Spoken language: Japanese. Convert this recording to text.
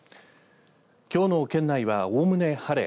きょうの県内は、おおむね晴れ